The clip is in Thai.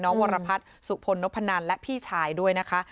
วรพัฒน์สุพลนพนันและพี่ชายด้วยนะคะ